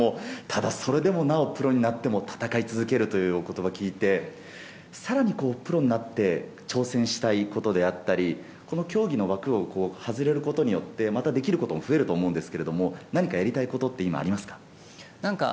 ただ、それでもなおプロになっても闘い続けるというお言葉を聞いて更にプロになって挑戦したいことであったり競技の枠を外れることによってまたできることも増えると思うんですけど何かやりたいことって今、ありますか？